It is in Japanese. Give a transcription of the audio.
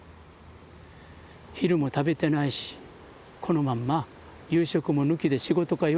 昼も食べてないし「このまんま夕食も抜きで仕事かよ」